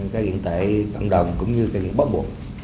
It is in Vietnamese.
cái nghiện tại cộng đồng cũng như cái nghiện bóng bộ